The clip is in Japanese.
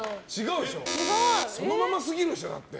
そのまますぎるっしょ、だって。